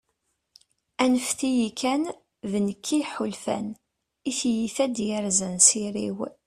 anfet-iyi kan, d nekk i yeḥulfan, i tyita i d-yerzan s iri-w